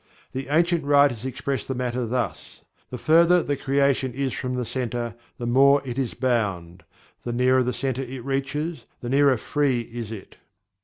The ancient writers express the matter thus: "The further the creation is from the Centre, the more it is bound; the nearer the Centre it reaches, the nearer Free is it."